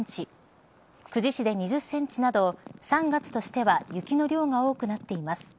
久慈市で２０ｃｍなど３月としては雪の量が多くなっています。